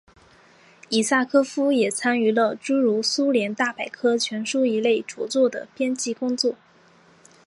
伊萨科夫也参与了诸如苏联大百科全书一类着作的编辑工作。